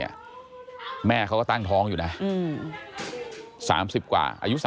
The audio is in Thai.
ไอ้แม่ได้เอาแม่ได้เอาแม่